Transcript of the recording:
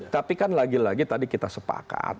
tapi kan lagi lagi tadi kita sepakat